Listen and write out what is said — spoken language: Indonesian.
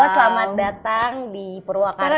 selamat datang di purwakarta